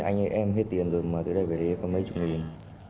anh ơi em hết tiền rồi mà từ đây về đây có mấy chục nghìn